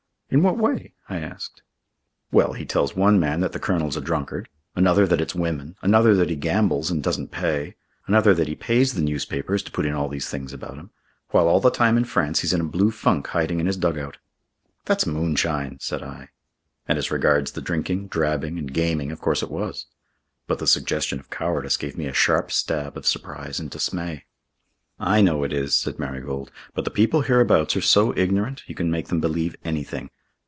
"In what way?" I asked. "Well, he tells one man that the Colonel's a drunkard, another that it's women, another that he gambles and doesn't pay, another that he pays the newspapers to put in all these things about him, while all the time in France he's in a blue funk hiding in his dugout." "That's moonshine," said I. And as regards the drinking, drabbing, and gaming of course it was. But the suggestion of cowardice gave me a sharp stab of surprise and dismay. "I know it is," said Marigold. "But the people hereabouts are so ignorant, you can make them believe anything."